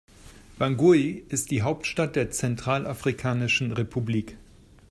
Bangui ist die Hauptstadt der Zentralafrikanischen Republik.